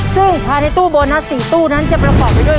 ซึ่งภายในตู้โบนัส๔ตู้นั้นจะประกอบไปด้วย